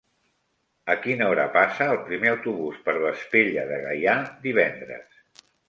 A quina hora passa el primer autobús per Vespella de Gaià divendres?